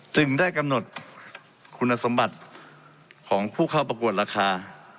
ได้กำหนดคุณสมบัติของผู้เข้าประกวดราคา